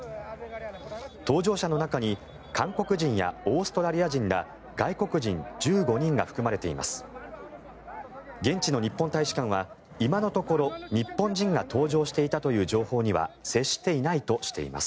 搭乗者の中に韓国人やオーストラリア人ら外国人１５人が含まれています。